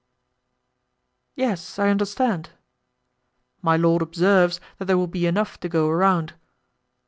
"Yes, I understand." "My lord observes that there will be enough to go around."